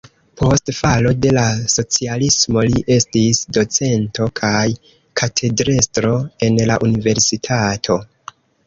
Post falo de la socialismo li estis docento kaj katedrestro en la universitato.